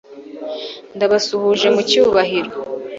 ndabasuhuje mu cyubahiro